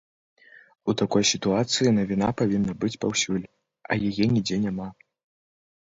У такой сітуацыі навіна павінна быць паўсюль, а яе нідзе няма.